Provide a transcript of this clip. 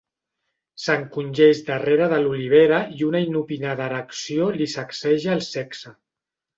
S'encongeix darrere de l'olivera i una inopinada erecció li sacseja el sexe.